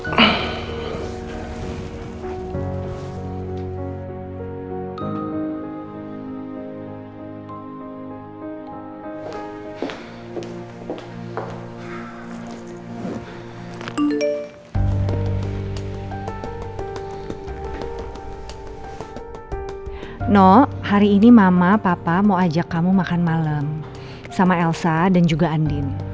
nino hari ini mama papa mau ajak kamu makan malem sama elsa dan juga andin